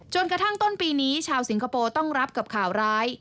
กระทั่งต้นปีนี้ชาวสิงคโปร์ต้องรับกับข่าวร้าย